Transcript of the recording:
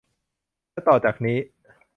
และต่อจากนี้